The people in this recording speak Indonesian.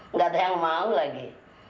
nggak ada yang mau lagi